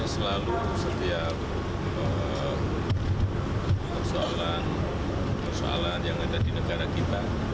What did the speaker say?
selalu setiap persoalan yang ada di negara kita